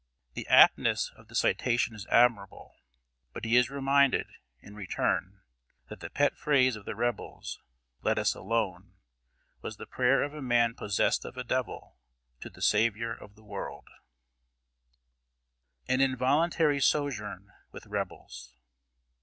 The aptness of the citation is admirable; but he is reminded, in return, that the pet phrase of the Rebels, "Let us alone," was the prayer of a man possessed of a devil, to the Saviour of the world! [Sidenote: AN INVOLUNTARY SOJOURN WITH REBELS.